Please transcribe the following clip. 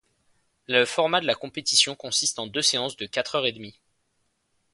Le format de la compétition consiste en deux séances de quatre heures et demie.